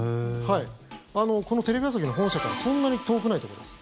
このテレビ朝日の本社からそんなに遠くないところです。